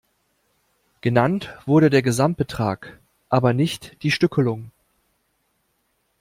Genannt wurde der Gesamtbetrag, aber nicht die Stückelung.